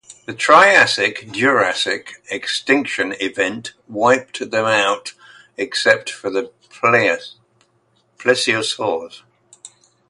The Triassic-Jurassic extinction event wiped them all out except for the plesiosaurs.